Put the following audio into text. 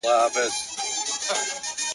نو زه یې څنگه د مذهب تر گرېوان و نه نیسم.